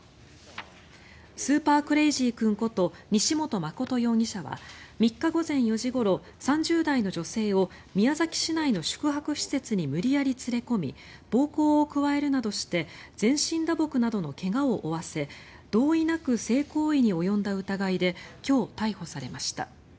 スーパークレイジー君こと西本誠容疑者は３日午前４時ごろ３０代の女性を宮崎市内の宿泊施設に無理やり連れ込み暴行を加えるなどして全身打撲などの怪我を負わせ同意なく性行為に及んだ疑いで今日、逮捕されました。